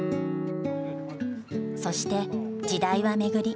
そして時代は巡り